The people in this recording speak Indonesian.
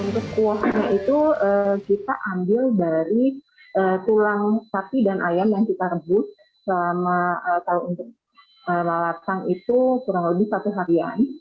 untuk kuahnya itu kita ambil dari tulang sapi dan ayam yang kita rebus selama kalau untuk lalat sang itu kurang lebih satu harian